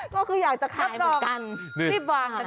ก็คืออยากจะขายเหมือนกัน